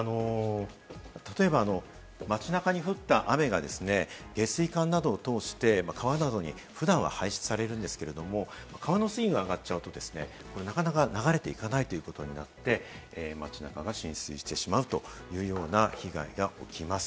例えば街中に降った雨が下水管などを通して川などに普段は排出されるんですけれども、川の水位が上がっちゃうと、なかなか流れていかないということになって街中が浸水してしまうというような被害が起きます。